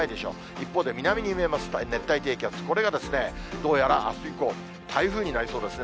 一方で、南に見えます熱帯低気圧、これがどうやらあす以降、台風になりそうですね。